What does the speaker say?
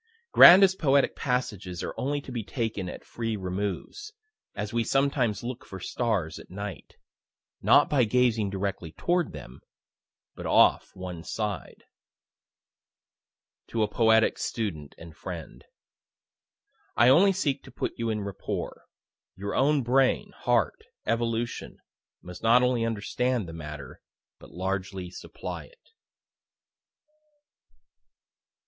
Grandest poetic passages are only to be taken at free removes, as we sometimes look for stars at night, not by gazing directly toward them, but off one side. (To a poetic student and friend.) I only seek to put you in rapport. Your own brain, heart, evolution, must not only understand the matter, but largely supply it.